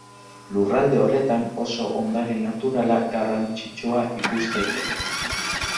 Lurralde horretan oso ondare naturala garrantzitsua ikus daiteke.